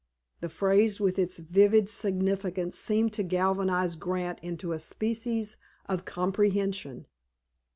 The phrase, with its vivid significance, seemed to galvanize Grant into a species of comprehension.